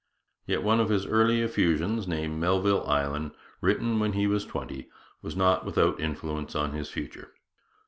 Yet one of his early effusions, named Melville Island, written when he was twenty, was not without influence on his future.